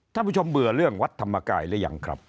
ท่านผู้ชมเบื่อเรื่องวัดธรรมกายหรือยังครับ